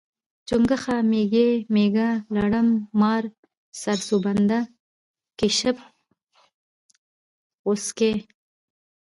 چونګښه، میږی، میږه، لړم، مار، سرسوبنده، کیسپ، غوسکی